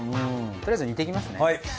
とりあえず煮ていきますね。